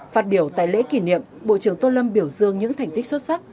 phát biểu tại lễ kỷ niệm bộ trưởng tô lâm biểu dương những thành tích xuất sắc